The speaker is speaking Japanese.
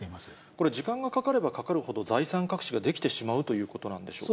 これ、時間がかかればかかるほど、財産隠しができてしまうということなんでしょうか。